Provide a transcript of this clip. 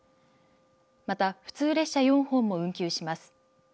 また普通列車４本も運休します。